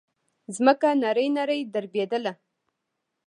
ځمکه نرۍ نرۍ دربېدله.